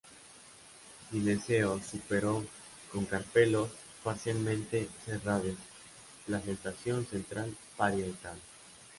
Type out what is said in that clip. Gineceo súpero, con carpelos parcialmente cerrados, placentación central parietal.